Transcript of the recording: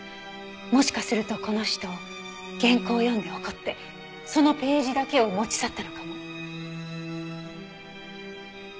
もしかするとこの人原稿を読んで怒ってそのページだけを持ち去ったのかも。